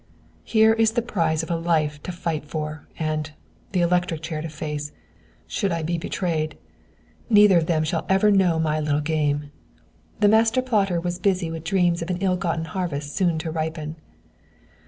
"Here is the prize of a life to fight for, and the electric chair to face should I be betrayed. Neither of them shall ever know my little game." The master plotter was busy with dreams of an ill gotten harvest soon to ripen.